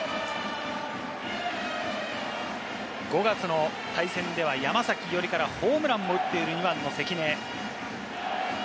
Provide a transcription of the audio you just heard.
５月の対戦では山崎伊織からホームランも打っている２番の関根。